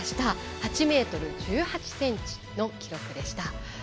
８ｍ１８ｃｍの記録でした。